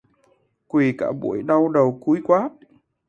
Quỳ cả buổi đau đầu cúi quá